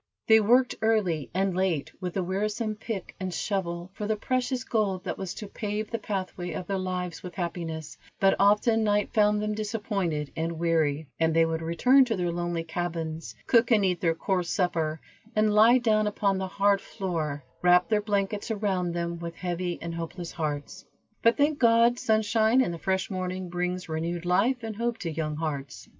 They worked early and late, with the wearisome pick and shovel for the precious gold that was to pave the pathway of their lives with happiness, but often night found them disappointed and weary, and they would return to their lonely cabins, cook and eat their coarse supper, and lie down upon the hard floor, wrap their blankets around them, with heavy and hopeless hearts. But thank God, sunshine and the fresh morning brings renewed life and hope to young hearts.